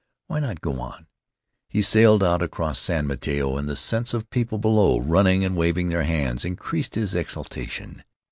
Why not go on? He sailed out across San Mateo, and the sense of people below, running and waving their hands, increased his exultation.